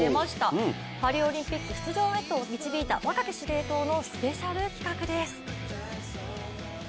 パリオリンピック出場へと導いた若き司令塔のスペシャル企画です。